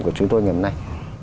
của chúng tôi ngày hôm nay